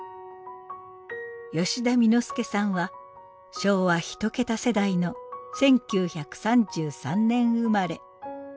吉田簑助さんは昭和一桁世代の１９３３年生まれ。